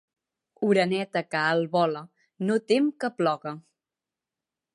Oreneta que alt vola, no tem que ploga.